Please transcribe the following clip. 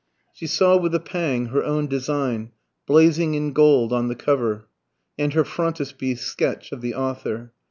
She saw with a pang her own design blazing in gold on the cover, and her frontispiece sketch of the author.